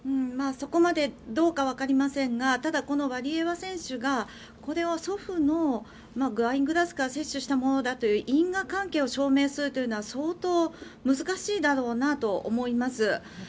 そこまでどうかわかりませんがただ、このワリエワ選手がこれを祖父のワイングラスから摂取したものだという因果関係を証明するというのは相当、難しいだろうなと思います。